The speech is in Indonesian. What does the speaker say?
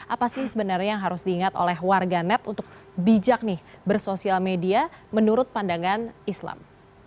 apa sih sebenarnya yang harus diingat oleh warga net untuk bijak nih bersosial media menurut pandangan islam